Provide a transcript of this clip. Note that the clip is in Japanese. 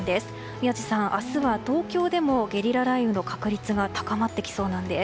宮司さん、明日は東京でもゲリラ雷雨の確率が高まってきそうなんです。